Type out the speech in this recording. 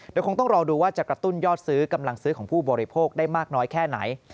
โดยคงต้องรอดูว่าจะกระตุ้นยอดซื้อกำลังซื้อของผู้บริโภคได้มากน้อยแค่ไหน